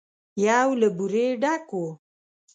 يو له بورې ډک و.